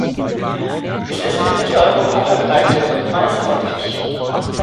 Es ist in Mitteleuropa verbreitet und meist häufig.